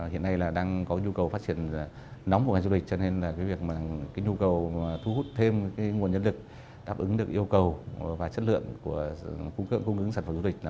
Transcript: hiện nay đang có nhu cầu phát triển nóng của ngành du lịch cho nên nhu cầu thu hút thêm nguồn nhân lực đáp ứng được yêu cầu và chất lượng của cung cấp sản phẩm du lịch